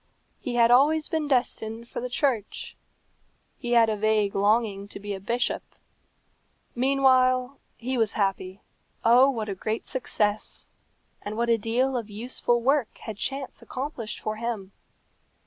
He had always been destined for the church. He had a vague longing to be a bishop. Meanwhile he was happy. Oh, what a great success! and what a deal of useful work had chance accomplished for him!